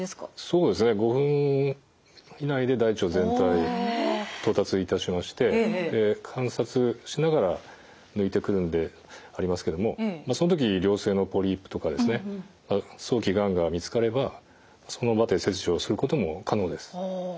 そうですね５分以内で大腸全体到達いたしまして観察しながら抜いてくるんでありますけどもその時良性のポリープとか早期がんが見つかればその場で切除することも可能です。